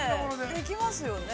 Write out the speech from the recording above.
◆できますよね。